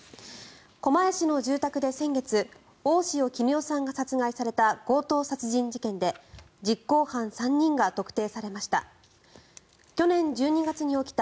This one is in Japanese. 狛江市の住宅で先月大塩衣與さんが殺害された強盗殺人事件で実行犯３人が特定されました。